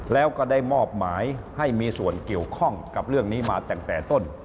แล้วก็ได้มอบหมายให้มีส่วนเกี่ยวข้องกับเรื่องนี้มาตั้งแต่ต้น